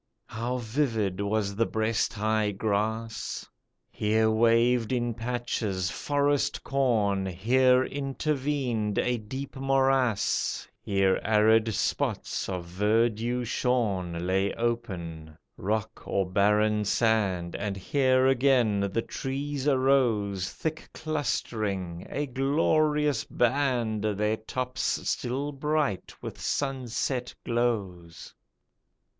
How vivid was the breast high grass! Here waved in patches, forest corn, Here intervened a deep morass, Here arid spots of verdure shorn Lay open, rock or barren sand, And here again the trees arose Thick clustering, a glorious band Their tops still bright with sunset glows.